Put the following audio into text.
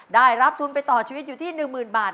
ได้รับทุนไปต่อชีวิตอยู่ที่๑๐๐๐บาท